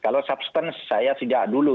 kalau substance saya sejak dulu